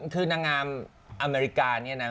คือนางงามอเมริกาเนี่ยนะ